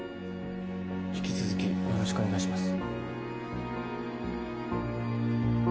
引き続きよろしくお願いします。